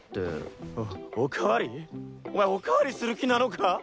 お前おかわりする気なのか！？